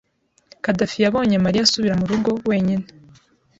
Khadafi yabonye Mariya asubira murugo wenyine.